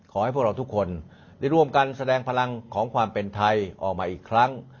ขอให้พวกเราทุกคนได้ร่วมกันแสดงพลังของความเป็นไทยออกมาอีกครั้ง